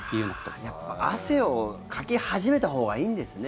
やっぱり汗をかき始めたほうがいいんですね。